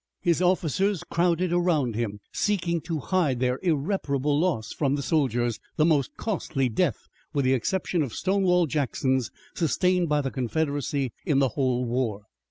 His officers crowded around him, seeking to hide their irreparable loss from the soldiers, the most costly death, with the exception of Stonewall Jackson's, sustained by the Confederacy in the whole war.